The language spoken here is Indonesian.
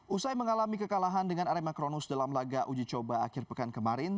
usai mengalami kekalahan dengan arema kronos dalam laga uji coba akhir pekan kemarin